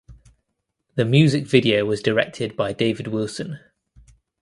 The music video was directed by David Wilson.